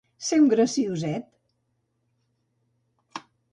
Ser un gracioset.